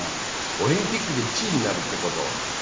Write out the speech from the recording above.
オリンピックで１位になるってことは。